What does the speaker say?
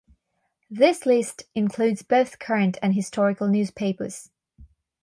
This list includes both current and historical newspapers.